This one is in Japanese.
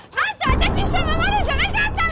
私を一生守るんじゃなかったの？